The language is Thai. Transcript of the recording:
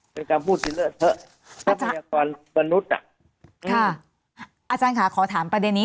เป็นคำพูดที่เลอะเถอะตอนตอนนู้นอ่ะค่ะอาจารย์ค่ะขอถามประเด็นนี้